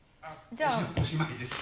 おしまいです。